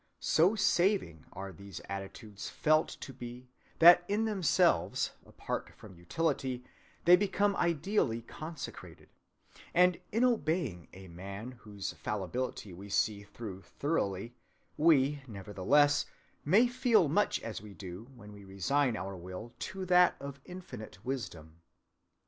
So saving are these attitudes felt to be that in themselves, apart from utility, they become ideally consecrated; and in obeying a man whose fallibility we see through thoroughly, we, nevertheless, may feel much as we do when we resign our will to that of infinite wisdom.